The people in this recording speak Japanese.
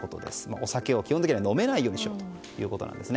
お酒を基本的には飲めないようにしようということです。